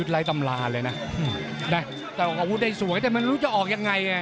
ได้แต่อาวุธได้สวยแต่มันรู้จะออกยังไง